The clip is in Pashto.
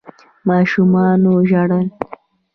ماشومانو ژړل.